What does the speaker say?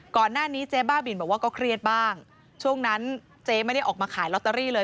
ก่อนหน้านี้เจ๊บ้าบินบอกว่าก็เครียดบ้างช่วงนั้นเจ๊ไม่ได้ออกมาขายลอตเตอรี่เลย